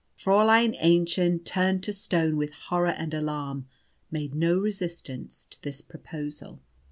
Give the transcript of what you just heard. Fräulein Aennschen, turned to stone with horror and alarm, made no resistance to this proposal.